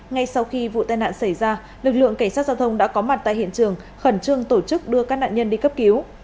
ngay sau khi vụ tai nạn xảy ra lực lượng cảnh sát giao thông đã có mặt tại hiện trường khẩn trương tổ chức đưa các nạn nhân đi cấp cứu